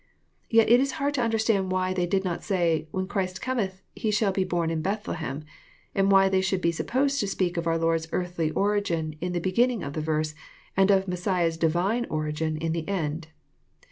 Yet it is hard to understand why they did not say, when Christ cometh, He shall be bom in Bethlehem," and why they should be supposed to speak of our Lord's earthly origin in the beginning of the verse, and of Messiah's Divine origin in the end.